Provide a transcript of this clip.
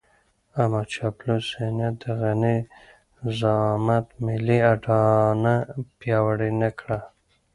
اما چاپلوس ذهنيت د غني د زعامت ملي اډانه پياوړې نه کړه.